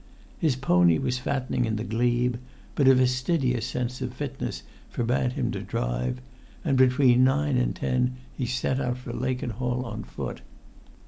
His pony was fattening in the glebe; but a fastidious sense of fitness forbade him to drive, and between nine and ten he set out for Lakenhall on foot.